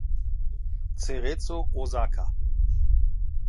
Cerezo Osaka